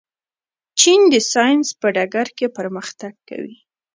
چین د ساینس په ډګر کې پرمختګ کوي.